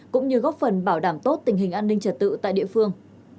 cũng như góp phần bảo đảm tốt tình hình an ninh trật tự tại địa phương